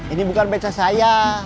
ini bukan beca saya